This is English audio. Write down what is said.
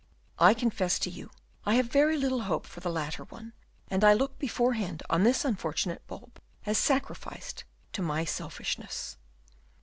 I confess to you I have very little hope for the latter one, and I look beforehand on this unfortunate bulb as sacrificed to my selfishness.